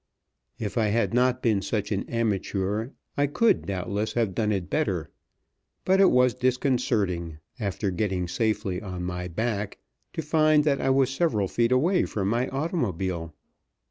If I had not been such an amateur I should doubtless have done it better; but it was disconcerting, after getting safely on my back, to find that I was several feet away from my automobile.